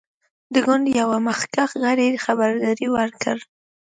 د ګوند یوه مخکښ غړي خبرداری ورکړ.